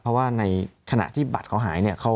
เพราะว่าในขณะที่บัตรเขาหายเนี่ย